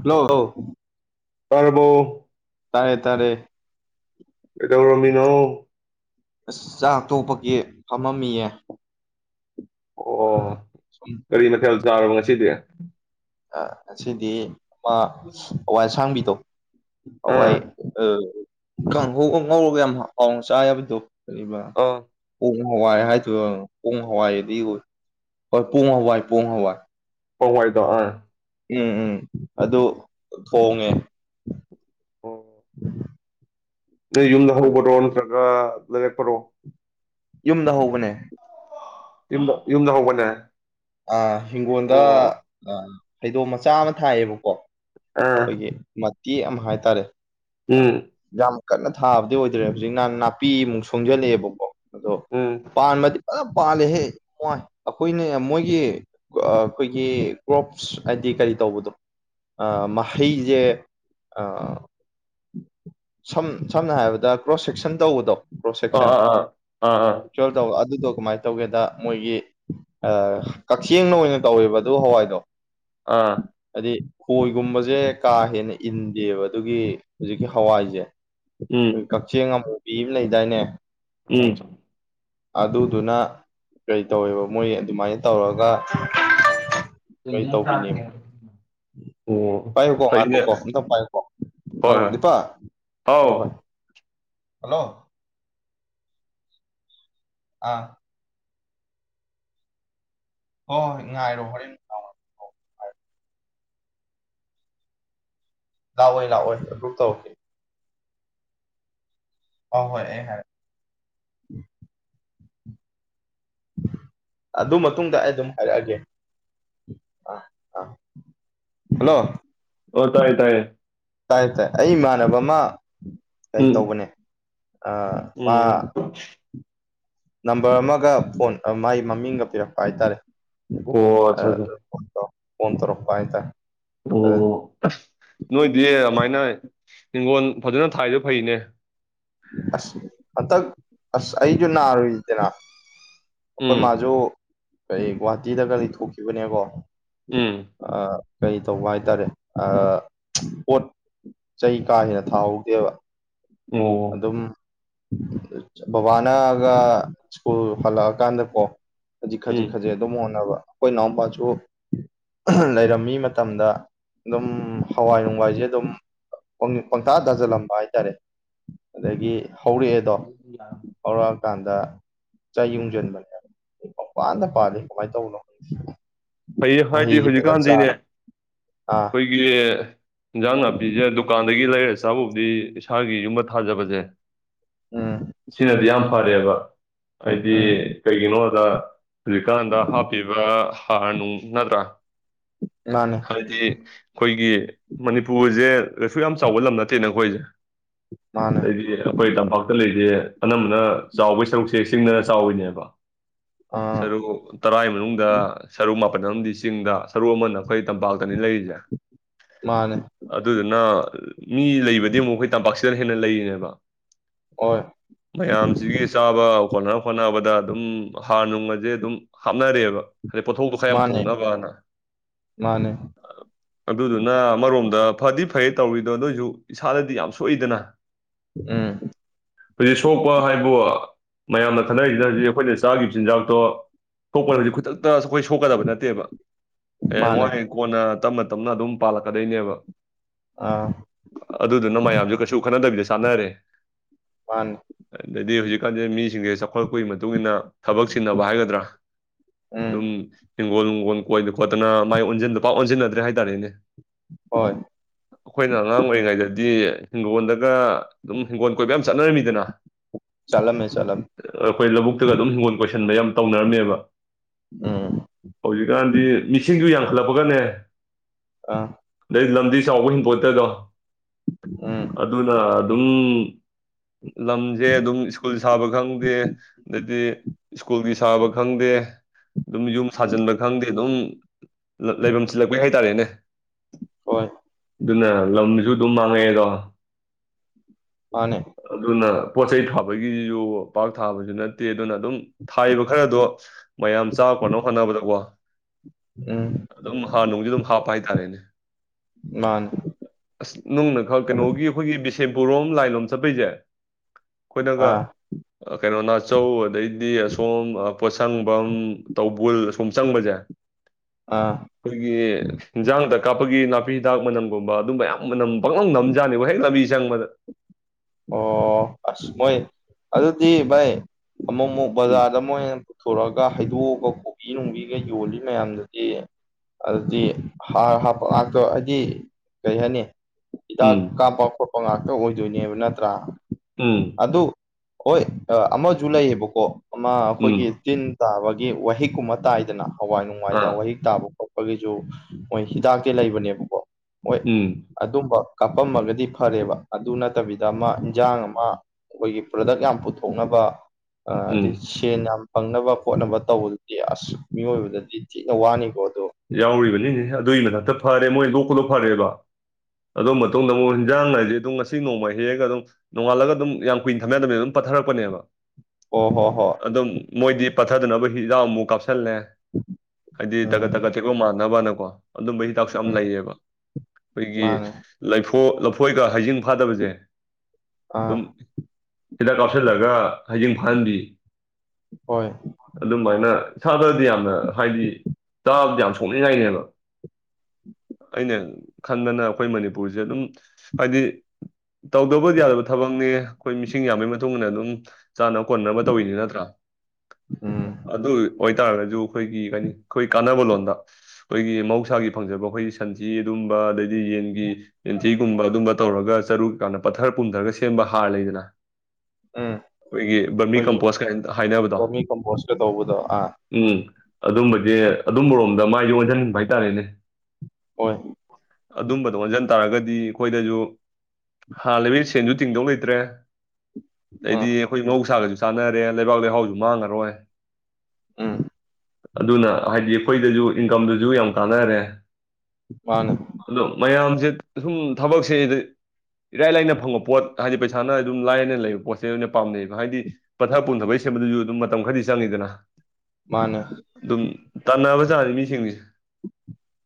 hello ꯂꯣ ꯇꯥꯔꯕꯣ ꯇꯥꯔꯦ ꯇꯔꯦ ꯀꯩꯗꯧꯔꯝꯃꯤꯅꯣ ꯑꯁ ꯆꯥꯛ ꯇꯣꯛꯄꯒꯤ ꯐꯝꯃꯝꯃꯤꯌꯦ ꯑꯣ ꯁꯨꯝ ꯀꯔꯤ ꯃꯊꯦꯜ ꯆꯥꯔꯕ ꯉꯁꯤꯗꯤ ꯑꯥ ꯑꯁꯤꯗꯤ ꯑꯃ ꯍꯋꯥꯏ ꯑꯁꯥꯡꯕꯤꯗꯣ ꯑꯋꯥꯏ ꯑꯥ ꯑꯥ ꯀꯥꯡꯍꯧꯒ ꯉꯧꯔꯒ ꯌꯥꯝ ꯍꯥꯎꯅ ꯆꯥ ꯌꯥꯕꯤꯗꯣ ꯀꯔꯤꯕ ꯑꯥ ꯄꯣꯡ ꯍꯋꯥꯏ ꯍꯥꯏꯗꯣꯌꯥ ꯄꯣꯡ ꯍꯋꯥꯏꯗꯤ ꯑꯣꯏ ꯍꯣꯏ ꯄꯣꯡ ꯍꯋꯥꯏ ꯄꯣꯡ ꯍꯋꯥꯏ ꯄꯋꯥꯏꯗꯣ ꯑꯥ ꯎꯝ ꯎꯝ ꯑꯗꯨ ꯊꯣꯡꯉꯦ ꯑꯣ ꯅꯣꯏ ꯌꯨꯝꯗ ꯍꯧꯕꯔꯣ ꯅꯠꯇ꯭ꯔꯒ ꯂꯩꯔꯛꯄꯔꯣ ꯌꯨꯝꯗ ꯍꯧꯕꯅꯦ ꯌꯨꯝꯗ ꯌꯨꯝꯗ ꯍꯧꯕꯅꯦ ꯑ ꯍꯤꯡꯒꯣꯟꯗ ꯑꯣ ꯍꯩꯗꯣꯝ ꯃꯆꯥ ꯑꯃ ꯊꯥꯏꯌꯦꯕꯀꯣ ꯑꯥ ꯑꯩꯈꯣꯏꯒꯤ ꯃꯇꯦꯛ ꯑꯃ ꯍꯥꯏꯇꯥꯔꯦ ꯎꯝ ꯌꯥꯝ ꯀꯟꯅ ꯊꯥꯕꯗꯤ ꯑꯣꯏꯗ꯭ꯔꯦ ꯍꯧꯖꯤꯛꯅ ꯅꯥꯄꯤꯃꯨꯛ ꯁꯣꯡꯖꯜꯂꯛꯑꯦꯕꯀꯣ ꯑꯗꯣ ꯎꯝ ꯄꯥꯟꯕꯗꯤ ꯐꯖꯅ ꯄꯥꯜꯂꯦꯍꯦ ꯃꯣꯏ ꯑꯩꯈꯣꯏꯅ ꯃꯣꯏꯒꯤ ꯒꯤ ꯑꯥ ꯑꯩꯈꯣꯏꯒꯤ ꯀ꯭ꯔꯣꯞꯁ ꯍꯥꯏꯗꯤ ꯀꯔꯤ ꯇꯧꯕꯗꯣ ꯑꯥ ꯃꯍꯩꯖꯦ ꯑꯥ ꯁꯝ ꯁꯝꯅ ꯍꯥꯏꯔꯕꯗ ꯀ꯭ꯔꯣꯁ ꯁꯦꯛꯁꯟ ꯇꯧꯕꯗꯣ ꯀ꯭ꯔꯣꯁ ꯑꯥ ꯁꯦꯛꯁꯟ ꯑꯥ ꯑꯥ ꯑꯥ ꯑꯥ ꯇꯨꯋꯦꯜ ꯇꯧ ꯑꯗꯨꯗꯣ ꯀꯃꯥꯏ ꯇꯧꯒꯦꯗ ꯃꯣꯏꯒꯤ ꯑꯥ ꯀꯛꯆꯦꯡꯅ ꯑꯣꯏꯅ ꯇꯧꯋꯦꯕ ꯑꯗꯨ ꯍꯋꯥꯏꯗꯣ ꯑꯥ ꯑꯗꯤ ꯈꯣꯏꯒꯨꯝꯕꯁꯦ ꯀꯥ ꯍꯦꯟꯅ ꯏꯟꯗꯦꯕ ꯑꯗꯨꯒꯤ ꯍꯧꯖꯤꯛꯀꯤ ꯍꯋꯥꯏꯖꯦ ꯎꯝ ꯀꯛꯆꯦꯡ ꯑꯃꯨꯕꯤ ꯑꯝ ꯂꯩꯗꯥꯏꯅꯦ ꯎꯝ ꯑꯗꯨꯗꯨꯅ ꯀꯩ ꯇꯧꯋꯦꯕ ꯃꯣꯏ ꯑꯗꯨꯃꯥꯏ ꯇꯧꯔꯒ ꯀꯩ ꯍꯤꯟꯖꯥꯡ ꯆꯥꯔꯒ‌ꯦ ꯄꯥꯏꯌꯨꯀꯣ ꯉꯥꯏꯈ‌ꯣꯀꯣ ꯑꯝꯇ ꯄꯥꯏꯌꯨꯀꯣ ꯍꯣꯏ ꯑꯧ ꯍꯣꯏ ꯗꯤꯄꯛ ꯍꯥꯎ ꯑꯝꯇ ꯄꯥꯏꯌꯨ ꯍꯜꯂꯣ ꯑꯥ ꯍꯣꯏ ꯍꯣꯏ ꯉꯥꯏꯔꯣ ꯍꯣꯔꯦꯟ ꯂꯥꯛꯑꯣꯏ ꯂꯥꯛꯑꯣꯏ ꯑꯗꯨꯝ ꯇꯧꯔꯛꯀꯅꯤ ꯍꯣꯏ ꯍ‌ꯣꯏ ꯑꯩ ꯍꯥꯏꯔꯛ ꯑꯗꯨ ꯃꯇꯨꯡꯗ ꯑꯩ ꯑꯗꯨꯝ ꯍꯥꯏꯔꯛꯑꯒꯦ ꯑ ꯑ ꯍꯜꯂꯣ ꯑꯣ ꯇꯥꯏ ꯇꯥꯏꯌꯦ ꯇꯥꯏ ꯇꯥꯏ ꯑꯩ ꯏꯃꯥꯟꯅꯕ ꯑꯃ ꯀꯩ ꯎꯝ ꯇꯧꯕꯅꯦ ꯑꯥ ꯃꯥ ꯎꯝ ꯅꯝꯕ꯭ꯔ ꯑꯃꯒ ꯐꯣꯟ ꯑ ꯃꯥꯏ ꯃꯃꯤꯡꯒ ꯄꯤꯔꯛꯄ ꯍꯥꯏꯇꯥꯔꯦ ꯑꯣ ꯑꯆꯥ ꯑꯥ ꯑꯆꯥ ꯐꯣꯟ ꯇꯧꯔꯛꯄ ꯍꯥꯏꯇꯥꯔꯦ ꯑꯗ ꯑꯣ ꯑꯁ ꯅꯣꯏꯗꯤ ꯑꯗꯨꯃꯥꯏꯅ ꯍꯤꯡꯒ‌ꯣꯜ ꯐꯖꯅ ꯊꯥꯏꯗ‌ꯣ ꯐꯩꯅꯦ ꯑꯁ ꯍꯟꯗꯛ ꯑꯁ ꯑꯩꯁꯨ ꯅꯥꯔꯨꯏꯗꯅ ꯑꯩꯈꯣꯏ ꯎꯝ ꯃꯥꯁꯨ ꯀꯩ ꯒꯨꯍꯥꯇꯤꯗꯒ ꯂꯩꯊꯣꯛꯈꯤꯕꯅꯦꯀꯣ ꯎꯝ ꯑꯥ ꯀꯩ ꯇꯧꯕ ꯍꯥꯏꯇꯥꯔꯦ ꯑꯥ ꯄꯣꯠ ꯆꯩ ꯀꯥ ꯍꯦꯟꯅ ꯊꯥꯍꯧꯗꯦꯕ ꯑꯣ ꯑꯗꯨꯝ ꯕꯕꯥꯅꯒ ꯁ꯭ꯀꯨꯜ ꯍꯜꯂꯛꯑꯀꯥꯟꯗꯀꯣ ꯈꯖꯤꯛ ꯈꯖꯤꯛ ꯎꯝ ꯈꯖꯤꯛ ꯑꯗꯨꯝ ꯍꯣꯠꯅꯕ ꯑꯩꯈꯣꯏ ꯏꯅꯥꯎꯄꯥꯁꯨ ꯂꯩꯔꯝꯃꯤ ꯃꯇꯝꯗ ꯑꯗꯨꯝ ꯍꯋꯥꯏ ꯅꯨꯡꯋꯥꯏꯁꯦ ꯑꯗꯨꯝ ꯄꯪꯊꯥ ꯊꯥꯁꯤꯜꯂꯝꯕ ꯍꯥꯏꯇꯥꯔꯦ ꯑꯗꯒꯤ ꯍꯧꯔꯛꯑꯦ ꯌꯥ ꯍꯧꯔꯛꯑꯀꯥꯟꯗ ꯆꯩ ꯌꯨꯡꯁꯤꯟꯕꯅꯦꯕ ꯃꯪꯄꯥꯟꯗ ꯄꯥꯜꯂꯤ ꯀꯃꯥꯏꯅ ꯇꯧꯕꯅꯣ ꯐꯩꯌ‌ꯦ ꯍꯥꯏꯗꯤ ꯃꯍꯩꯁꯦ ꯐꯖꯅ ꯆꯥ ꯍꯧꯖꯤꯛꯀꯥꯟꯗꯤꯅꯦ ꯑꯥ ꯑꯩꯈꯣꯏ ꯒꯤ ꯍꯤꯟꯖꯥꯡ ꯅꯥꯄꯤꯁꯦ ꯗꯨꯀꯥꯟꯗꯒꯤ ꯂꯩꯔ ꯆꯥꯕꯨꯕꯨꯗꯤ ꯏꯁꯥꯒꯤ ꯌꯨꯝꯕ ꯊꯥꯖꯕꯁꯦ ꯎꯝ ꯁꯤꯅꯗꯤ ꯌꯥꯝ ꯐꯔꯦꯕ ꯍꯥꯏꯗꯤ ꯎꯝ ꯀꯩꯒꯤꯅꯣ ꯗ ꯍꯧꯖꯤꯛꯀꯥꯟꯗ ꯍꯥꯞꯄꯤꯕ ꯍꯥꯔ ꯅꯨꯡ ꯅꯠꯇ꯭ꯔꯥ ꯃꯥꯅꯦ ꯍꯥꯏꯗꯤ ꯑꯩꯈꯣꯏꯒꯤ ꯃꯅꯤꯄꯨꯔꯁꯦ ꯀꯩꯁꯨ ꯌꯥꯝ ꯆꯥꯎꯕ ꯂꯝ ꯅꯠꯇꯦꯅ ꯑꯩꯈꯣꯏꯁꯦ ꯃꯥꯅꯦ ꯑꯗꯩꯗꯤ ꯑꯩꯈꯣꯏ ꯇꯝꯄꯥꯛꯇ ꯂꯩꯁꯦ ꯑꯅꯝꯕꯅ ꯆꯥꯎꯕꯩ ꯁꯔꯨꯛꯁꯦ ꯆꯤꯡꯗꯅ ꯆꯥꯎꯋꯤꯅꯦꯕ ꯑꯥ ꯁꯔꯨꯛ ꯇꯔꯥꯒꯤ ꯃꯅꯨꯡꯗ ꯁꯔꯨꯛ ꯃꯥꯄꯟ ꯑꯝꯗꯤ ꯆꯤꯡꯗ ꯁꯔꯨꯛ ꯑꯃꯅ ꯑꯩꯈꯣꯏ ꯇꯝꯄꯥꯛꯇꯅꯤ ꯂꯩꯔꯤꯁꯦ ꯃꯥꯅꯦ ꯑꯗꯨꯗꯨꯅ ꯃꯤ ꯂꯩꯕꯗꯤ ꯑꯃꯨꯛ ꯑꯩꯈꯣꯏ ꯇꯝꯄꯥꯛꯁꯤꯗꯅ ꯍꯦꯟꯅ ꯂꯩꯔꯤꯅꯦꯕ ꯍꯣꯏ ꯃꯌꯥꯝ ꯁꯤꯒꯤ ꯆꯥꯕ ꯀꯣꯟꯅꯅꯕ ꯍ‌ꯣꯠꯅꯕꯗ ꯑꯗꯨꯝ ꯍꯥꯔ ꯅꯨꯡꯒꯁꯦ ꯑꯗꯨꯝ ꯍꯥꯞꯅꯔꯦꯕ ꯍꯥꯏꯗꯤ ꯄꯣꯠꯊꯣꯛꯗꯣ ꯈꯔ ꯌꯥꯝ ꯃꯥꯅꯦ ꯄꯨꯊꯣꯛꯅꯕꯅ ꯃꯥꯅꯦ ꯑꯗꯨꯗꯨꯅ ꯑꯃꯔꯣꯝꯗ ꯐꯗꯤ ꯐꯩ ꯇꯧꯔꯤꯗꯣ ꯑꯗ‌ꯣꯏꯁꯨ ꯏꯁꯥꯗꯗꯤ ꯌꯥꯝ ꯁꯣꯛꯏꯗꯅ ꯑꯝ ꯍꯧꯖꯤꯛ ꯁꯣꯛꯄ ꯍꯥꯏꯕꯨ ꯃꯌꯥꯝꯅ ꯈꯟꯅꯔꯤꯁꯤꯅ ꯍꯧꯖꯤꯛ ꯑꯩꯈꯣꯏꯅ ꯆꯥꯒꯤ ꯆꯤꯟꯖꯥꯛꯇꯣ ꯁꯣꯛꯄꯗꯗꯤ ꯈꯨꯗꯛꯇ ꯑꯩꯈꯣꯏ ꯁꯣꯛꯀꯗꯕ ꯅꯠꯇꯦꯕ ꯍꯌꯦꯡ ꯃꯥꯅꯦ ꯋꯥꯏ ꯀꯣꯟꯅ ꯇꯞꯅ ꯇꯞꯅ ꯑꯗꯨꯝ ꯄꯥꯜꯂꯛꯀꯗꯣꯏꯅꯦꯕ ꯑꯥ ꯑꯗꯨꯗꯨꯅ ꯃꯌꯥꯝꯁꯨ ꯀꯩꯁꯨ ꯈꯟꯅꯗꯕꯤꯗ ꯆꯥꯟꯅꯔꯦ ꯃꯥꯟꯅꯦ ꯑꯗꯩꯗꯤ ꯍꯧꯖꯤꯛ ꯀꯥꯟꯁꯦ ꯃꯤꯁꯤꯡꯁꯦ ꯆꯥꯎꯈꯠꯂꯛꯄꯒꯤ ꯃꯇꯨꯡ ꯏꯟꯅ ꯊꯕꯛ ꯆꯤꯟꯅꯕ ꯍꯥꯏꯒꯗ꯭ꯔꯥ ꯎꯝ ꯑꯗꯨꯝ ꯍꯤꯡꯒꯣꯜ ꯅꯨꯡꯒꯣꯜ ꯀꯣꯏꯕ ꯈꯣꯠꯇꯅ ꯃꯥꯏ ꯑꯣꯟꯁꯤꯟ ꯄꯥꯛ ꯑꯣꯟꯁꯤꯟꯅꯗ꯭ꯔꯦ ꯍꯥꯏꯇꯥꯔꯦꯅꯦ ꯍꯣꯏ ꯑꯩꯈꯣꯏꯅ ꯑꯉꯥꯡ ꯑꯣꯏꯔꯤꯉꯩꯗꯗꯤ ꯍꯤꯡꯒꯣꯜꯗꯒ ꯑꯗꯨꯝ ꯍꯤꯡꯒꯣꯜ ꯀꯣꯏꯕ ꯌꯥꯝ ꯆꯠꯅꯔꯝꯃꯤꯗꯅ ꯆꯠꯂꯝꯃꯦ ꯆꯠꯂꯝꯃꯦ ꯑꯩꯈꯣꯏ ꯂꯧꯕꯨꯛꯇꯒ ꯑꯗꯨꯝ ꯍꯤꯡꯒꯣꯜ ꯀꯣꯏꯁꯤꯟꯕ ꯌꯥꯝ ꯇꯧꯅꯔꯝꯃꯦꯕ ꯎꯝ ꯍꯧꯖꯤꯛ ꯀꯥꯟꯗꯤ ꯃꯤꯁꯤꯡꯁꯨ ꯌꯥꯝꯡꯈꯠꯂꯛꯄꯒꯅꯦ ꯑꯥ ꯑꯗꯩ ꯂꯝꯗꯤ ꯆꯥꯎꯕ [inaudible] ꯎꯝ ꯑꯗꯨꯅ ꯑꯗꯨꯝ ꯂꯝꯁꯦ ꯑꯗꯨꯝ ꯁ꯭ꯀꯨꯜ ꯁꯥꯕ ꯈꯪꯗꯦ ꯑꯗꯩꯗꯤ ꯁ꯭ꯀꯨꯜꯒꯤ ꯁꯥꯕ ꯈꯪꯗꯦ ꯑꯗꯨꯝ ꯌꯨꯝ ꯁꯥꯖꯤꯟꯕ ꯈꯪꯗꯦ ꯑꯗꯨꯝ ꯂꯩꯐꯝ ꯆꯤꯜꯂꯛꯄꯩ ꯍꯥꯏꯇꯥꯔꯦꯅꯦ ꯍꯣꯏ ꯑꯗꯨꯅ ꯂꯝꯁꯨ ꯑꯗꯨꯝ ꯃꯥꯡꯉꯛꯑꯦꯗꯣ ꯃꯥꯅꯦ ꯑꯗꯨꯅ ꯄꯣꯠ ꯆꯩꯩ ꯊꯥꯕꯒꯤꯒꯤꯁꯨ ꯄꯥꯛ ꯊꯥꯕꯁꯨ ꯅꯠ ꯇꯦ ꯑꯗꯨꯅ ꯑꯗꯨꯝ ꯊꯥꯔꯤꯕ ꯈꯔꯗꯣ ꯃꯌꯥꯝ ꯆꯥꯕ ꯀꯣꯟꯅꯅꯕ ꯍꯣꯠꯅꯕꯗꯀꯣ ꯎꯝ ꯑꯗꯨꯝ ꯍꯥꯔ ꯅꯨꯡꯗꯤ ꯑꯗꯨꯝ ꯍꯥꯞꯄ ꯍꯥꯏꯇꯥꯔꯦꯅꯦ ꯃꯥꯅꯦ ꯑꯁ ꯅꯨꯡꯅ ꯈꯛ ꯑꯗꯨ ꯀꯩꯅꯣꯒꯤ ꯑꯩꯈꯣꯏꯒꯤ ꯕꯤꯁꯦꯝꯄꯨꯔ ꯔꯣꯝ ꯂꯥꯏꯟꯂꯣꯝ ꯆꯠꯄꯩꯁꯦ ꯑꯩꯈꯣꯏꯅꯒ ꯑꯥ ꯀꯩꯅꯣ ꯅꯥꯆꯧ ꯑꯗꯩꯗꯤ ꯑꯁꯣꯝ ꯄꯣꯠꯁꯪ [inaudible] ꯇꯧꯕꯨꯜ ꯑꯁꯣꯝ ꯆꯪꯕꯁꯦ ꯑꯥ ꯑꯩꯈꯣꯏꯒꯤ ꯏꯟꯖꯥꯡꯗ ꯀꯥꯞꯄꯒꯤ ꯅꯥꯄꯤ ꯍꯤꯗꯥꯛ ꯃꯅꯝꯒꯨꯝꯕ ꯑꯗꯨꯝꯕ ꯃꯌꯥꯝ ꯃꯅꯝ ꯄꯪꯅꯝ ꯅꯝ ꯂꯩ ꯖꯥꯅꯤꯕꯨ ꯍꯦꯛ ꯂꯝꯕꯤ ꯆꯪꯕꯗ ꯑꯣ ꯑꯁ ꯃꯣꯏ ꯑꯗꯨꯗꯤ ꯚꯥꯏ ꯑꯃꯨꯛ ꯑꯃꯨꯛ ꯎꯝ ꯕꯖꯥꯔꯗ ꯃꯣꯏ ꯄꯨꯔꯛꯑꯒ ꯍꯩꯗꯣꯛꯑꯒ ꯀꯣꯕꯤ ꯅꯨꯡꯕꯤꯒ ꯌꯣꯜꯂꯤ ꯃꯌꯥꯝꯗꯨꯗꯤ ꯑꯗꯨꯗꯤ ꯍꯥꯔ ꯍꯥꯞꯄ ꯉꯥꯛꯇ ꯍꯥꯏꯗꯤ ꯀꯩ ꯍꯥꯏꯅꯤ ꯍꯤꯗꯥꯛ ꯎꯝ ꯀꯥꯞꯄ ꯈꯣꯠꯄ ꯉꯥꯛꯇ ꯑꯣꯏꯗꯣꯏꯅꯦꯕ ꯅꯠꯇ꯭ꯔꯥ ꯎꯝ ꯑꯗꯨ ꯍꯣꯏ ꯑꯃꯁꯨ ꯂꯩꯌꯦꯕꯀꯣ ꯑꯃ ꯎꯝ ꯑꯩꯈꯣꯏꯒꯤ ꯇꯤꯟ ꯇꯥꯕꯒꯤ ꯋꯥꯍꯤꯛꯀꯨꯝꯕ ꯇꯥꯏꯗꯅ ꯍꯋꯥꯏ ꯅꯨꯡꯋꯥꯏꯗ ꯑꯥ ꯋꯥꯍꯤꯛ ꯇꯥꯕ ꯈꯣꯠꯄꯒꯤꯁꯨ ꯃꯣꯏ ꯍꯤꯗꯥꯛꯇꯤ ꯂꯩꯕꯅꯦꯕꯀꯣ ꯍꯣꯏ ꯎꯝ ꯑꯗꯨꯝꯕ ꯀꯥꯞꯄꯝꯃꯒꯗꯤ ꯐꯔꯦꯕ ꯑꯗꯨ ꯅꯠꯇꯕꯤ ꯗ ꯑꯃ ꯏꯟꯖꯥꯡ ꯑꯃ ꯑꯩꯈꯣꯏꯒꯤ ꯄ꯭ꯔꯗꯛ ꯌꯥꯝ ꯄꯨꯊꯣꯛꯅꯕ ꯑ ꯎꯝ ꯁꯦꯟ ꯌꯥꯝ ꯐꯪꯅꯕ ꯈꯣꯠꯅꯕ ꯇꯧꯕꯗꯨꯗꯤ ꯑꯁ ꯃꯤꯑꯣꯏꯕꯗꯗꯤ ꯊꯤꯅ ꯋꯥꯅꯤꯀꯣ ꯑꯗꯣ ꯌꯥꯎꯔꯤꯕꯅꯤꯅꯦꯍꯦ ꯑꯗꯨꯏ ꯃꯊꯛꯇ ꯐꯔꯦ ꯃꯣꯏ ꯂꯣꯛꯄꯗꯣ ꯐꯔꯦꯕ ꯑꯗꯨ ꯃꯇꯨꯡꯗ ꯑꯃꯨꯛ ꯍꯤꯟꯖꯥꯡ ꯍꯥꯏꯁꯤ ꯑꯗꯨꯝ ꯉꯁꯤ ꯅꯣꯡꯃ ꯍꯦꯛꯑꯒ ꯑꯗꯨꯝ ꯅꯣꯡꯉꯥꯜꯂꯒ ꯑꯗꯨꯝ ꯌꯥꯝ ꯀꯨꯏꯅ ꯊꯝꯌꯥꯗꯝꯃꯦꯅ ꯑꯗꯨꯝ ꯄꯠꯊꯔꯛꯄꯅꯦꯕ ꯑꯣ ꯍꯣ ꯍꯣ ꯑꯗꯨꯝ ꯃꯣꯏꯗꯤ ꯄꯠꯊꯗꯅꯕ ꯍꯤꯗꯥꯛ ꯑꯃꯨꯛ ꯀꯥꯞꯁꯜꯂꯦ ꯍꯥꯏꯗꯤ ꯇꯒꯠ ꯎꯝ ꯀ ꯃꯥꯟꯅꯕꯅꯀꯣ ꯑꯗꯨꯝꯕ ꯍꯤꯗꯥꯛꯁꯨ ꯌꯥꯝ ꯎꯝ ꯂꯩꯌꯦꯕ ꯑꯩꯈꯣꯏꯒꯤ ꯃꯥꯅꯦ ꯂꯩꯐꯣ ꯂꯐꯣꯏꯒ ꯍꯩꯖꯤꯡ ꯐꯥꯗꯕꯁꯦ ꯑꯥ ꯑꯗꯨꯝ ꯍꯤꯗꯥꯛ ꯀꯥꯞꯁꯤꯜꯂꯒ ꯍꯩꯖꯤꯡ ꯐꯥꯍꯟꯕꯤ ꯍꯣꯏ ꯑꯗꯨꯃꯥꯏꯅ ꯏꯁꯥꯗꯗꯤ ꯌꯥꯝꯅ ꯍꯥꯏꯗꯤ ꯆꯕꯗ ꯌꯥꯝ ꯁꯣꯛꯅꯤꯡꯉꯥꯏꯅꯦꯕ ꯑꯩꯅ ꯈꯟꯕꯅ ꯑꯩꯈꯣꯏ ꯃꯅꯤꯄꯨꯔꯁꯦ ꯑꯗꯨꯝ ꯍꯥꯏꯗꯤ ꯇꯧꯗꯕꯨꯗꯤ ꯌꯥꯗꯕ ꯊꯕꯛꯅꯦ ꯑꯩꯈꯣꯏ ꯃꯤꯁꯤꯡ ꯌꯥꯝꯕꯩ ꯃꯇꯨꯡ ꯏꯟꯅ ꯑꯗꯨꯝ ꯆꯥꯅꯕ ꯀꯣꯟꯅꯅꯕ ꯇꯧꯋꯤꯅꯤ ꯅꯠꯇ꯭ꯔꯥ ꯎꯝ ꯑꯗꯨ ꯑꯣꯏꯇꯥꯔꯒꯁꯨ ꯑꯩꯈꯣꯏꯒꯤ ꯀꯅꯤ ꯈꯣꯏ ꯀꯥꯟꯅꯕ ꯂꯣꯟꯗ ꯑꯩꯈꯣꯏꯒꯤ ꯃꯍꯧꯁꯥꯒꯤ ꯐꯪꯖꯕ ꯑꯩꯈꯣꯏꯒꯤ ꯁꯟꯊꯤ ꯑꯗꯨꯝꯕ ꯑꯗꯩꯗꯤ ꯌꯦꯟꯒꯤ ꯌꯦꯟꯊꯤꯒꯨꯝꯕ ꯑꯗꯨꯝꯕ ꯇꯧꯔꯒ ꯆꯔꯨꯀꯩꯀꯥꯟꯅ ꯄꯠꯊꯔ ꯄꯨꯝꯊꯔꯒ ꯁꯦꯝꯕ ꯍꯥꯔ ꯂꯩꯗꯅ ꯎꯝ ꯑꯩꯈꯣꯏꯒꯤ ꯕꯔꯃꯤ ꯑꯩꯈꯣꯏꯒꯤ ꯀꯝꯄꯣꯁ ꯀꯥꯏꯅ ꯍꯥꯏꯅꯕꯗꯣ ꯕꯣꯔꯃꯤ ꯀꯝꯄꯣꯁꯀ ꯇꯧꯕꯗꯣ ꯑꯥ ꯎꯝ ꯑꯗꯨꯝꯕꯁꯦ ꯑꯗꯨꯝꯕꯔꯣꯝꯗ ꯃꯥꯏꯁꯦ ꯑꯣꯟꯁꯤꯟꯅꯤꯡꯕ ꯍꯥꯏꯇꯥꯔꯦꯅꯦ ꯍꯣꯏ ꯑꯗꯨꯝꯕꯗ ꯑꯣꯟꯁꯤꯟ ꯇꯥꯔꯒꯗꯤ ꯑꯩꯈꯣꯏꯗꯁꯨ ꯍꯥꯥ ꯂꯩꯕꯩ ꯁꯦꯟꯁꯨ ꯇꯤꯡꯗꯧ ꯂꯩꯇ꯭ꯔꯦ ꯑꯗꯩꯗꯤ ꯎꯝ ꯑꯩꯈꯣꯏ ꯃꯍꯧꯁꯥꯒꯁꯨ ꯆꯥꯅꯔꯦ ꯂꯩꯕꯥꯛ ꯂꯩꯍꯥꯎꯁꯨ ꯃꯥꯡꯉꯔꯣꯏ ꯎꯝ ꯑꯗꯨꯅ ꯍꯥꯏꯗꯤ ꯑꯩꯈꯣꯏꯗꯁꯨ ꯏꯟꯀꯝꯗꯨꯁꯨ ꯌꯥꯝ ꯀꯥꯟꯅꯔꯦ ꯃꯥꯅꯦ ꯑꯗꯣ ꯃꯌꯥꯝꯁꯦ ꯁꯨꯝ ꯊꯕꯛꯁꯦꯗ ꯏꯔꯥꯏ ꯂꯥꯏꯅ ꯐꯪꯕ ꯄꯣꯠ ꯍꯥꯏꯗꯤ ꯄꯩꯁꯥꯅ ꯑꯗꯨꯝ ꯂꯥꯏꯅ ꯂꯩꯕ ꯄꯣꯠꯁꯦ ꯑꯣꯏꯅ ꯄꯥꯝꯅꯩꯌꯦꯕ ꯍꯥꯏꯗꯤ ꯄꯟꯊꯥ ꯄꯨꯝꯊꯕꯩ ꯁꯦꯝꯕꯗꯨꯁꯨ ꯑꯗꯨꯝ ꯃꯇꯝ ꯈꯔꯗꯤ ꯆꯪꯉꯤꯗꯅ ꯃꯥꯅꯦ ꯑꯗꯨꯝ ꯇꯥꯟꯅꯕꯖꯥꯅꯤ ꯃꯤꯁꯤꯡꯁꯤ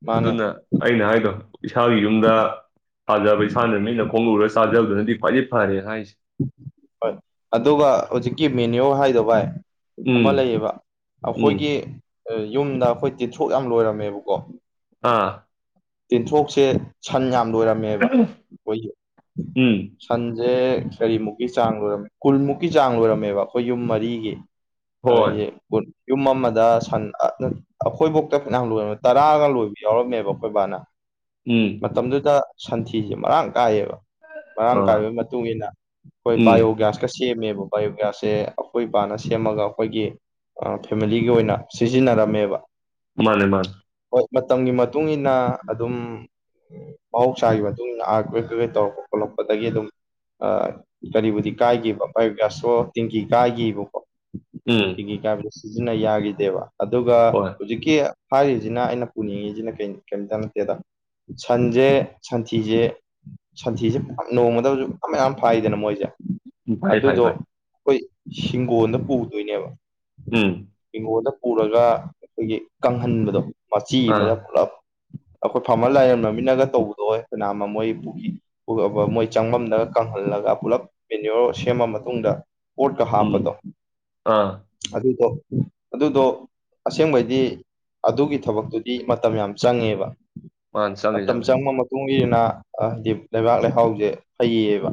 ꯃꯥꯅꯦ ꯑꯗꯨꯅ ꯑꯩꯅ ꯍꯥꯏꯗꯣ ꯏꯁꯥꯒꯤ ꯌꯨꯝꯗ ꯄꯥꯟꯖꯕ ꯏꯁꯥꯅ ꯃꯤꯠꯅ ꯈꯣꯡꯅ ꯎꯔꯒ ꯆꯥꯖꯕꯗꯨꯅꯗꯤ ꯈ꯭ꯋꯥꯏꯗꯒꯤ ꯐꯔꯦ ꯍꯥꯏꯁꯦ ꯍꯣꯏ ꯑꯗꯨꯒ ꯍꯧꯖꯤꯛꯀꯤ ꯃꯦꯅꯤꯌꯣ ꯍꯥꯏꯗꯣ ꯚꯥꯏ ꯑꯃ ꯎꯝ ꯂꯩꯌꯦꯕ ꯎꯝ ꯑꯩꯈꯣꯏꯒꯤ ꯌꯨꯝꯗ ꯑꯩꯈꯣꯏ ꯇꯤꯊ꯭ꯔꯣꯛ ꯌꯥꯝ ꯂꯣꯏꯔꯝꯃꯦꯕꯀꯣ ꯑꯥ ꯇꯤꯟꯊ꯭ꯔꯣꯛꯁꯦ ꯁꯟ ꯌꯥꯝ ꯂꯣꯏꯔꯝꯃꯦꯕ ꯑꯩꯈꯣꯏꯒꯤ ꯎꯝ ꯁꯟꯁꯦ ꯀꯔꯤꯃꯨꯛꯀꯤ ꯆꯥꯡ ꯂꯣꯏꯔꯝꯃꯦ ꯀꯨꯟꯃꯨꯛꯀꯤ ꯆꯥꯡ ꯂꯣꯏꯔꯝꯃꯦꯕ ꯑꯩꯈꯣꯏ ꯌꯨꯝ ꯃꯔꯤꯒꯤ ꯍꯣꯏ ꯑꯗꯩꯗꯤ ꯀꯨꯠ ꯌꯨꯝ ꯑꯃꯗ ꯁꯟ ꯑꯈꯣꯏꯕꯣꯛꯇ ꯐꯅꯌꯥꯝ ꯂꯣꯏꯔꯝꯃꯦ ꯇꯔꯥꯒ ꯂꯣꯏꯕ ꯌꯥꯎꯔꯝꯃꯦꯕ ꯈꯣꯏꯕꯅ ꯎꯝ ꯃꯇꯝꯗꯨꯗ ꯁꯟꯊꯤꯁꯦ ꯃꯔꯥꯡ ꯀꯥꯏꯌꯦꯕ ꯃꯔꯥꯡ ꯑꯥ ꯀꯥꯏꯕꯩ ꯃꯇꯨꯡ ꯏꯟꯅ ꯑꯩꯈꯣꯏ ꯎꯝ ꯕꯥꯏꯑꯣꯒ꯭ꯌꯥꯁ ꯀ ꯁꯦꯝꯃꯦꯕ ꯕꯥꯏꯑꯣꯒ꯭ꯌꯥꯁꯁꯦ ꯑꯈꯣꯏꯕꯥꯅ ꯁꯦꯝꯃꯒ ꯑꯩꯈꯣꯏꯒꯤ ꯑ ꯐꯦꯃꯤꯂꯤꯒꯤ ꯑꯣꯏꯅ ꯁꯤꯖꯤꯟꯅꯔꯝꯃꯦꯕ ꯃꯥꯅꯦ ꯃꯥꯟ ꯍꯣꯏ ꯃꯇꯝꯒꯤ ꯃꯇꯨꯡ ꯏꯟꯅ ꯑꯗꯨꯝ ꯃꯍꯧꯁꯥꯒꯤ ꯃꯇꯨꯡ ꯏꯟꯅ ꯑꯥꯔꯠꯀ꯭ꯋꯦꯛ ꯀꯩ ꯀꯩ ꯇꯧꯔꯛꯄ ꯈꯣꯠꯂꯛꯄꯗꯒꯤ ꯑꯗꯨꯝ ꯑ ꯀꯔꯤꯕꯨꯗꯤ ꯀꯥꯏꯒꯤꯕ ꯕꯥꯏꯌꫭ ꯒ꯭ꯌꯥꯁ ꯇꯤꯡꯀꯤ ꯀꯥꯏꯒꯤꯕꯀꯣ ꯎꯝ ꯇꯤꯡꯀꯤ ꯀꯥꯏꯕꯗ ꯁꯤꯖꯤꯟꯅ ꯌꯥꯒꯤꯗꯦꯕ ꯑꯗꯨꯒ ꯍꯣꯏ ꯍꯧꯖꯤꯛ ꯀꯤ ꯍꯥꯏꯔꯤꯖꯤꯅ ꯑꯩꯅ ꯄꯨꯅꯤꯡꯉꯤꯖꯤꯅ ꯀꯩꯝꯇ ꯅꯠꯇꯦꯗ ꯁꯟꯖꯦ ꯁꯟꯊꯤꯖꯦ ꯁꯟꯊꯤꯖꯦ [unintelligible] ꯅꯣꯡꯃꯗ [unintelligible] ꯃꯌꯥꯝ ꯃꯌꯥꯝ ꯐꯥꯏꯗꯅ ꯃꯣꯏꯖꯦ ꯎꯝ ꯐꯩ ꯐꯩ ꯑꯗꯨꯗꯣ ꯐꯩ ꯑꯩꯈꯣꯏ ꯍꯤꯡꯒꯣꯟꯗ ꯄꯨꯗꯣꯏꯅꯦꯕ ꯎꯝ ꯍꯤꯡꯒꫭꯟꯗ ꯄꯨꯔꯒ ꯑꯩꯈꯣꯏꯒꯤ ꯀꯪꯍꯟꯕꯗꯣ ꯃꯆꯤ ꯑꯥ ꯑꯃꯗ ꯄꯨꯂꯞ ꯑꯈꯣꯏ ꯐꯥꯝꯃꯔ ꯂꯥꯏꯔꯦꯟ ꯃꯃꯤꯠꯅꯒ ꯇꯧꯕꯗꯣꯍꯦ [unintelligible] [unintelligible] ꯃꯣꯏ ꯆꯪꯕꯝꯝꯗꯒ ꯀꯪꯍꯜꯂꯒ ꯄꯨꯂꯞ ꯃꯦꯅꯤꯌꯣꯔ ꯁꯦꯝꯃ ꯃꯇꯨꯡꯗ ꯄꫭꯠꯀ ꯍꯥꯞꯄꯗꯣ ꯎꯝ ꯑꯥ ꯑꯗꯨꯗꯣ ꯑꯗꯨꯗꯣ ꯑꯁꯦꯡꯕꯩꯗꯤ ꯑꯗꯨꯒꯤ ꯊꯕꯛꯇꯨꯗꯤ ꯃꯇꯝ ꯌꯥꯝ ꯆꯪꯉꯦꯕ ꯃꯥꯅꯦ ꯆꯪꯉꯦ ꯃꯇꯝ ꯆꯪꯉꯦ ꯆꯪꯕ ꯃꯇꯨꯡ ꯏꯟꯅꯥ ꯍꯥꯏꯗꯤ ꯂꯩꯕꯥꯛ ꯂꯩꯍꯥꯎꯖꯦ ꯐꯩꯌꯦꯕ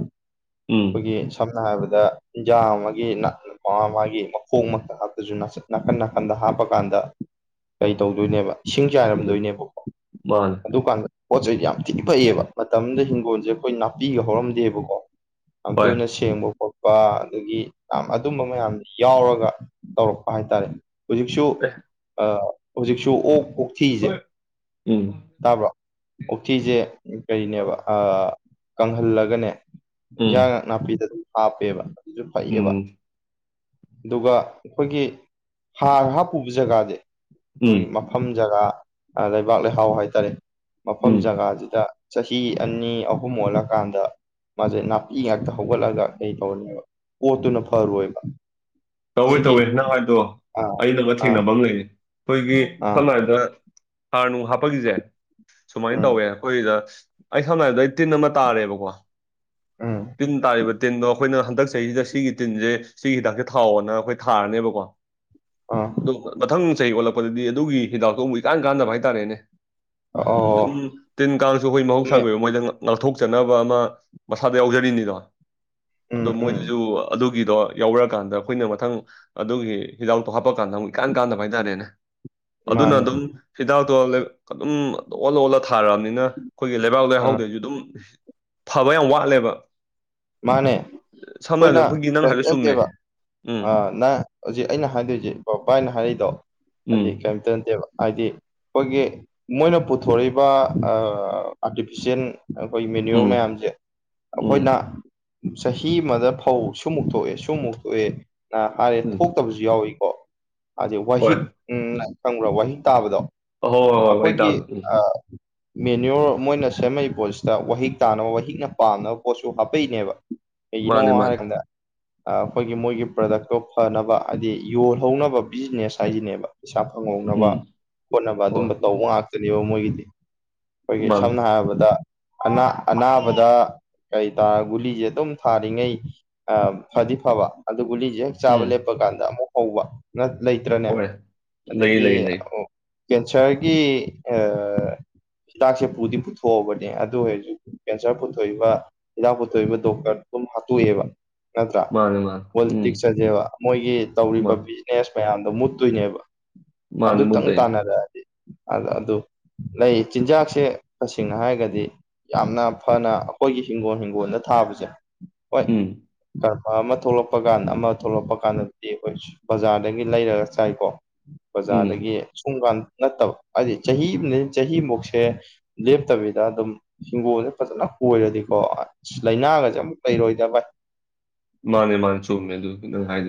ꯎꯝ ꯑꯩꯈꯣꯏꯒꯤ ꯁꯝ ꯅ ꯍꯥꯏꯕꯗ ꯏꯟꯖꯥꯡ ꯑꯃꯒꯤ ꯅꯥ ꯃꯥ ꯃꯥꯒꯤ ꯃꯈꯣꯡ ꯃꯛꯇ [unintelligible] ꯅꯥꯀꯟ ꯅꯥꯀꯟꯗ ꯍꯥꯞꯄꯀꯥꯟꯗ ꯀꯩ ꯇꯧꯗꯣꯏꯅꯦꯕ ꯏꯁꯤꯡ ꯎꯝ ꯆꯥꯏꯔꯝꯗꯣꯏꯅꯦꯕ ꯃꯥꯅꯦ ꯑꯗꯨ ꯀꯥꯟꯗ ꯄꯣꯠ ꯆꯩꯩ ꯌꯥꯝ ꯊꯤ ꯐꯩꯌꯦꯕ ꯃꯇꯝꯗ ꯍꯤꯡꯒꯣꯟꯖꯦ ꯑꯈꯣꯏ ꯅꯥꯄꯤꯒ ꯍꯧꯔꯝꯗꯦꯕꯀꯣ ꯍꯣꯏ ꯑꯗꯨꯅ ꯁꯦꯡꯕ ꯈꫭꯠ ꯄ ꯑꯗꯒꯤ ꯌꯥꯝ ꯑꯗꯨꯝꯕ ꯃꯌꯥꯝ ꯌꯥꯎꯔꯒ ꯇꯧꯔꯛꯄ ꯍꯥꯏꯇꯥꯔꯦ ꯍꯨꯖꯤꯛꯁꯨ ꯑꯦ ꯑ ꯍꯨꯖꯤꯛꯁꯨ ꯑꯣꯛ ꯑꯣꯛꯊꯤꯖꯦ ꯍꯣꯏ ꯎꯝ ꯇꯥꯕ꯭ꯔꯣ ꯑꯣꯛꯊꯤꯖꯦ ꯀꯩꯅꯦꯕ ꯑꯥ ꯑ ꯀꯪꯍꯜꯂꯒꯅꯦ ꯏꯟꯖꯥꯡ ꯎꯝ ꯅꯥꯄꯤꯗ ꯍꯥꯞꯄꯦꯕ ꯑꯗꯨꯁꯨ ꯐꯩꯌꯦꯕ ꯎꯝ ꯑꯗꯨꯒ ꯈꯣꯏꯒꯤ ꯍꯥꯔ ꯍꯥꯞꯄꯨꯕ ꯖꯒꯥꯖꯦ ꯑꯩꯈꯣꯏ ꯎꯝ ꯃꯐꯝ ꯖꯒꯥ ꯂꯩꯕꯥꯛ ꯂꯩꯍꯥꯎ ꯍꯥꯏꯇꯥꯔꯦ ꯃꯐꯝ ꯎꯝ ꯖꯒꯥꯖꯤꯗ ꯆꯍꯤ ꯑꯅꯤ ꯑꯍꯨꯝ ꯑꯣꯜꯂꯀꯥꯟꯗ ꯃꯥꯖꯦ ꯅꯥꯄꯤ ꯉꯥꯛꯇ ꯍꯧꯒꯠꯂꯒ ꯀꯩ ꯇꯧꯅꯦꯕ ꯄꯣꯠꯇꯨꯅ ꯐꯔꯣꯏꯕ ꯇꯧꯋꯦ ꯁꯤꯒꯤ ꯇꯧꯋꯦ ꯅꯪ ꯍꯥꯏꯗꯣ ꯑꯥ ꯑꯩꯅꯒ ꯑꯥ ꯊꯦꯡꯅꯕ ꯑꯝ ꯂꯩ ꯈꯣꯏꯒꯤ ꯑꯥ ꯁꯝꯅ ꯍꯥꯏꯗ ꯍꯥꯔ ꯅꯨꯅꯨ ꯍꯥꯞꯄꯒꯤꯖꯦ ꯁꯨꯃꯥꯏꯟ ꯎꯝ ꯇꯧꯋꯦ ꯑꯩꯈꯣꯏꯗ ꯑꯩ ꯁꯝꯅ ꯍꯥꯏꯔꯕꯗ ꯑꯩ ꯇꯤꯟ ꯑꯃ ꯇꯥꯔꯦꯕꯀꯣ ꯎꯝ ꯇꯤꯟ ꯇꯥꯔꯤꯕ ꯇꯤꯟꯗꯣ ꯑꯩꯈꯣꯏꯅ ꯍꯟꯗꯛ ꯆꯍꯤꯖꯤꯗ ꯁꯤꯒꯤ ꯇꯤꯟꯖꯦ ꯁꯤꯒꯤ ꯍꯤꯗꯥꯛꯁꯦ ꯊꯥꯎꯋꫭꯅ ꯑꯈꯣꯏ ꯊꯥꯔꯅꯦꯕꯀꯣ ꯑ ꯑꯗꯣ ꯃꯊꯪ ꯆꯍꯤ ꯑꯣꯜꯂꯛꯄꯗꯗꯤ ꯑꯗꯨꯒꯤ ꯍꯤꯗꯥꯛꯇꫭ ꯑꯃꯨꯛ ꯏꯀꯥꯟ ꯀꯥꯟꯗꯅꯕ ꯍꯥꯏꯇꯥꯔꯦꯅꯦ ꯑꯗꯨꯝ ꯑꯣ ꯇꯤꯟ ꯀꯥꯡꯁꯨ ꯑꯩꯈꯣꯏ ꯆꯨꯝꯃꯦ ꯃꯍꯧꯁꯥꯒꯤ ꯑꫭꯏꯕ ꯃꯣꯏꯗ ꯉꯥꯛꯊꯣꯛꯆꯅꯕ ꯑꯃ ꯃꯁꯥꯗ ꯌꯥꯎꯖꯔꯤꯅꯤꯗꯣ ꯎꯝ ꯑꯗꯣ ꯎꯝ ꯃꯣꯏꯗꯁꯨ ꯑꯗꯨ ꯒꯤꯗꯣ ꯌꯥꯎꯔꯛꯑꯀꯥꯟꯗ ꯑꯩꯈꯣꯏꯅ ꯃꯊꯪ ꯑꯗꯨꯒꯤ ꯍꯤꯗꯥꯛꯇꯣ ꯍꯥꯞꯄꯀꯥꯟꯗ ꯑꯃꯨꯛ ꯏꯀꯥꯟ ꯀꯥꯟꯗꯕ ꯍꯥꯏꯇꯥꯔꯦꯅꯦ ꯑꯗꯨꯅ ꯃꯥꯅꯦ ꯑꯗꯨꯝ ꯍꯤꯗꯥꯛꯇꯣ [unintelligible] ꯑꯣꯜꯂ ꯑꯣꯜꯂ ꯊꯥꯔꯝꯅꯤꯅ ꯑꯩꯈꯣꯏꯒꯤ ꯂꯩꯕꯥꯛ ꯑꯥ ꯂꯩꯍꯥꯎꯗꯖꯨ ꯗꯨꯝ ꯐꯕ ꯌꯥꯝ ꯋꯥꯠꯂꯦꯕ ꯃꯥꯅꯦ ꯁꯝꯅ ꯍꯥꯏꯔꯕꯗ ꯑꯩꯈꯣꯏꯅ ꯑꯩꯈꯣꯏꯒꯤ ꯅꯪ ꯍꯥꯏꯕ ꯆꯨꯝꯃꯦ [unintelligible] ꯎꯝ ꯑꯥ ꯅꯪ ꯍꯧꯖꯤꯛ ꯑꯩꯅ ꯍꯥꯏꯗꯣꯏꯁꯦ ꯕꯥꯏꯅ ꯍꯥꯏꯔꯛꯏꯗꯣ ꯎꯝ ꯍꯥꯏꯗꯤ ꯀꯔꯤꯝꯇ ꯅꯠꯇꯦꯕ ꯍꯥꯏꯗꯤ ꯑꯩꯈꯣꯏꯒꯤ ꯃꯣꯏꯅ ꯄꯨꯊꯣꯔꯛꯏꯕ ꯑꯥꯔꯇꯤꯐꯤꯁꯦꯜ ꯑꯩꯈꯣꯏꯒꯤ ꯃꯦꯅꯌꯣꯔ ꯎꯝ ꯃꯌꯥꯝꯁꯦ ꯑꯩꯈꯣꯏꯅ ꯎꯝ ꯆꯍꯤ ꯑꯃꯗ ꯐꯧ ꯁꯨꯃꯨꯛ ꯊꯣꯛꯑꯦ ꯁꯨꯃꯨꯛ ꯊꯣꯛꯑꯦꯅ ꯍꯥꯏꯔꯦ ꯎꯝ ꯊꯣꯛꯇꯕꯁꯨ ꯌꯥꯎꯋꯤꯀꯣ ꯍꯥꯏꯗꯤ ꯍꯣꯏ ꯋꯥꯍꯤꯛ ꯎꯝ ꯈꯪꯕ꯭ꯔ ꯋꯥꯍꯤꯛ ꯇꯥꯕꯗꯣ ꯍꯣꯏ ꯍꯣꯏ ꯍꯣꯏ ꯋꯥꯔꯤ ꯑꯩꯈꯣꯏꯒꯤ ꯇꯥꯕꯗ ꯎꯝ ꯑꯥ ꯃꯦꯅꯌꯣꯔ ꯃꯣꯏꯅ ꯁꯦꯝꯃꯛꯏ ꯄꯣꯠꯁꯤꯗ ꯋꯥꯍꯤꯛ ꯇꯥꯅꯕ ꯋꯥꯍꯤꯛꯅ ꯄꯥꯝꯅꯕ ꯄꯣꯠꯁꯨ ꯍꯥꯞ ꯍꯥꯞꯄꯩꯅꯦꯕ ꯀꯩꯒꯤꯅꯣ ꯃꯥꯅꯦ ꯃꯥꯅꯦ ꯍꯥꯏꯔꯀꯥꯟꯗ ꯑꯩꯈꯣꯏꯒꯤ ꯃꯣꯏꯒꯤ ꯄ꯭ꯔꯗꯛꯇꯣ ꯐꯅꯕ ꯍꯥꯏꯗꯤ ꯌꯣꯜꯍꯧꯅꯕ ꯕꯤꯖꯤꯅꯦꯁ ꯍꯥꯏꯁꯤꯅꯦꯕ ꯄꯩꯁꯥ ꯐꯪꯍꯧꯅꯕ ꯎꯝ ꯈꯣꯠꯅꯕ ꯍꯣꯏ ꯑꯗꯨꯝꯕ ꯇꯧꯕ ꯉꯥꯛꯇꯅꯦꯕ ꯃꯣꯏꯒꯤꯗꯤ ꯑꯩꯈꯣꯏꯒꯤ ꯃꯥꯅꯦ ꯁꯝꯅ ꯍꯥꯏꯔꯕꯗ ꯑꯅꯥ ꯑꯅꯥꯕꯗ ꯀꯔꯤ ꯒꯨꯂꯤꯁꯦ ꯑꯗꯨꯝ ꯊꯥꯔꯤꯉꯩ ꯐꯗꯤ ꯐꯕ ꯑꯗꯨ ꯒꯨꯂꯤꯁꯦ ꯆꯥꯕ ꯎꯝ ꯂꯦꯞꯄ ꯀꯥꯟꯗ ꯑꯃꯨꯛ ꯍꯧꯕ ꯂꯩꯇ꯭ꯔꯅꯦ ꯍꯣꯏ ꯂꯩ ꯑꯗꯒꯤ ꯂꯩ ꯂꯩ ꯀꯦꯟꯁꯔꯒꯤ ꯑꯥ ꯍꯤꯗꯥꯛꯁꯦ ꯄꯨꯗꯤ ꯄꯨꯊꯣꯛꯑꯕꯅꯦ ꯑꯗꯨ ꯍꯧꯖꯤꯛ ꯀꯦꯟꯁꯔ ꯄꯨꯊꯣꯛꯏꯕ ꯍꯤꯗꯥꯛ ꯄꯨꯊꯣꯛꯏꯕ ꯗꯣꯛꯇꯔ ꯗꯨꯝ ꯍꯥꯠꯇꯣꯛꯑꯦꯕ ꯅꯠꯇ꯭ꯔ ꯃꯥꯅꯦ ꯃꯥꯅꯦ ꯎꯝ ꯄꯣꯂꯤꯇꯤꯛꯁ ꯍꯥꯏꯁꯦꯕ ꯃꯣꯏꯒꯤ ꯃꯥ ꯇꯧꯔꯤꯕ ꯕꯤꯖꯤꯅꯦꯁ ꯃꯌꯥꯝꯗꯣ ꯃꯨꯠꯇꯣꯏꯅꯦꯕ ꯃꯥꯅꯦ ꯃꯨꯟ ꯑꯗꯨꯇꯪ ꯇꯩ ꯇꯥꯟꯅꯔꯛꯑꯗꯤ ꯑ ꯑꯗꯨ ꯂꯩ ꯆꯤꯟꯖꯥꯛꯁꯦ ꯇꯁꯦꯡꯅ ꯍꯥꯏꯔꯒꯗꯤ ꯌꯥꯝꯅ ꯐꯅ ꯑꯩꯈꯣꯏꯒꯤ ꯍꯤꯡꯒꯣꯜ ꯍꯤꯡꯒꯣꯜꯗ ꯊꯥꯕꯁꯦ ꯍꯣꯏ ꯎꯝ ꯑꯃ ꯊꯣꯛꯂꯛꯄ ꯀꯥꯟꯗ ꯑꯃ ꯊꯣꯛꯂꯛꯄ ꯀꯥꯟꯗꯗꯤ ꯑꯩꯈꯣꯏ ꯕꯖꯥꯔꯗꯒꯤ ꯂꯩꯔꯒ ꯆꯥꯏꯀꯣ ꯎꯝ ꯕꯖꯥꯔꯗꯒꯤ ꯁꯨꯝ ꯀꯥꯟ ꯅꯠꯇꯕ ꯍꯥꯏꯕꯗꯤ ꯆꯍꯤ ꯑꯃꯗꯒꯤ ꯆꯍꯤ ꯑꯃꯃꯨꯛꯁꯦ ꯂꯦꯞꯇꯕꯤꯗ ꯑꯗꯨꯝ ꯍꯤꯡꯒꯣꯜꯁꯦ ꯐꯖꯅ ꯀꯣꯏꯔꯗꯤ ꯀꯣ ꯑꯁ ꯂꯥꯏꯅꯥꯒꯁꯦ ꯑꯃꯇ ꯂꯩꯔꯣꯏꯗ ꯚꯥꯏ ꯃꯥꯅꯦ ꯃꯥꯅꯦ ꯆꯨꯝꯃꯦ ꯑꯗꯨ ꯅꯪ ꯍꯥꯏꯗꯣ